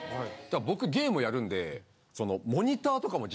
僕ゲームをやるんで。